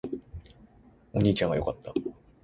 お兄ちゃんが良かった